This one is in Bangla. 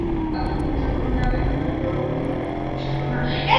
আমরা আল্লাহকে প্রত্যক্ষভাবে না দেখা পর্যন্ত তোমাকে কখনও বিশ্বাস করব না।